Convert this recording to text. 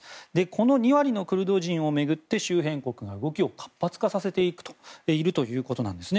この２割のクルド人を巡って周辺国が動きを活発化させているということです。